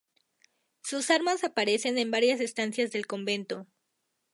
Sus armas aparecen en varias estancias del convento.